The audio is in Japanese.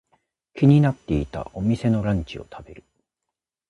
気になっていたお店のランチを食べる。